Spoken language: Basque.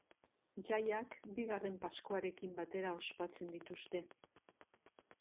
Jaiak, bigarren pazkoarekin batera ospatzen dituzte.